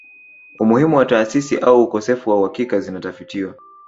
Umuhimu wa taasisi au ukosefu wa uhakika zinatafitiwa